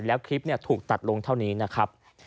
แล้วคลิปถูกตัดลงเท่านี้นะครับ